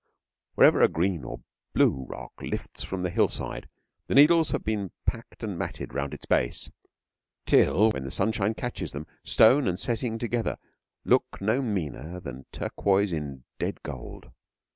Wherever a green or blue rock lifts from the hillside, the needles have been packed and matted round its base, till, when the sunshine catches them, stone and setting together look no meaner than turquoise in dead gold.